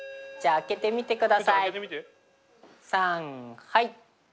さんはい。